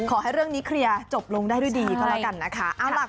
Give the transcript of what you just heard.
ขอให้เรื่องนี้เคลียร์จบลงได้ด้วยดีก็แล้วกันนะคะ